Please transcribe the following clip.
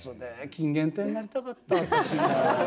金原亭になりたかった私も。